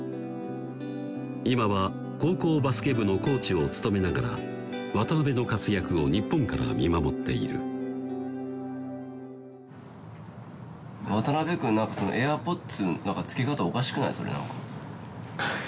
今は高校バスケ部のコーチを務めながら渡邊の活躍を日本から見守っている渡邊君何かそのＡｉｒＰｏｄｓ何か付け方おかしくない？